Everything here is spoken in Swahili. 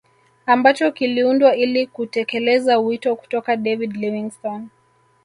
Ambacho kiliundwa ili kutekeleza wito kutoka David Livingstone